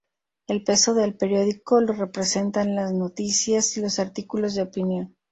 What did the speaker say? El peso del periódico lo representan las noticias y los artículos de opinión.